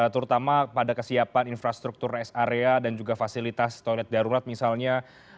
terutama pada kesiapan infrastruktur rest area dan juga fasilitas toilet darurat misalnya